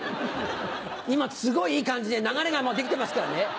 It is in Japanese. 今すごいいい感じで流れがもう出来てますからね。